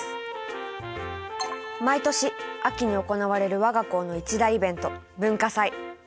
毎年秋に行われる我が校の一大イベント文化祭。